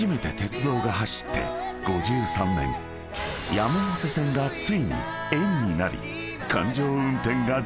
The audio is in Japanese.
［山手線がついに円になり］